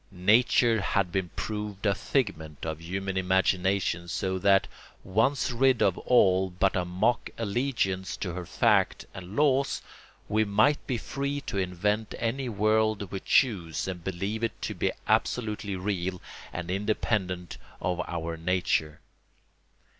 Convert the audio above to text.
Nature had been proved a figment of human imagination so that, once rid of all but a mock allegiance to her facts and laws, we might be free to invent any world we chose and believe it to be absolutely real and independent of our nature.